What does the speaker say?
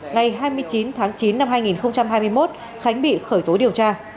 ngày hai mươi chín tháng chín năm hai nghìn hai mươi một khánh bị khởi tố điều tra